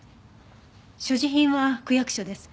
所持品は区役所です。